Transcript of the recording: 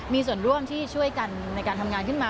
มีส่วนร่วมที่ช่วยกันในการทำงานขึ้นมา